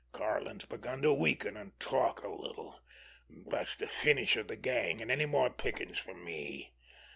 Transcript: Karlin's begun to weaken and talk a little. That's the finish of the gang, and any more pickings for me.